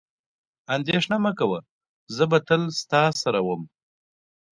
اندېښنه مه کوه، زه به تل ستا سره وم.